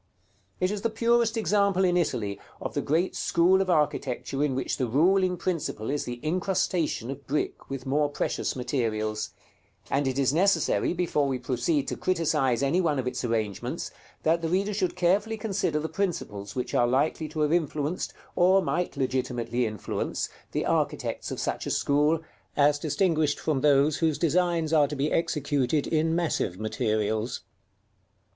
It is the purest example in Italy of the great school of architecture in which the ruling principle is the incrustation of brick with more precious materials; and it is necessary before we proceed to criticise any one of its arrangements, that the reader should carefully consider the principles which are likely to have influenced, or might legitimately influence, the architects of such a school, as distinguished from those whose designs are to be executed in massive materials.